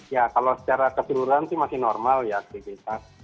ya kalau secara keseluruhan sih masih normal ya aktivitas